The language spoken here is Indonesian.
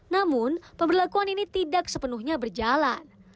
namun pemberlakuan ini tidak sepenuhnya berjalan